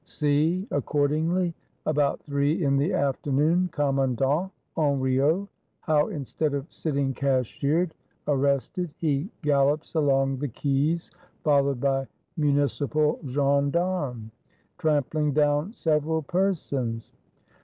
— See, accordingly, about three in the afternoon. Commandant Henriot, how instead of sitting cashiered, 33^ THE FALL OF ROBESPIERRE arrested, he gallops along the Quais, followed by ]\Iuni cipal Gendarmes, "trampling down several persons!"